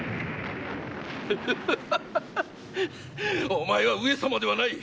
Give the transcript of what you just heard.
お前は上様ではない！